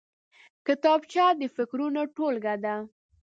کتابچه د فکرونو ټولګه ده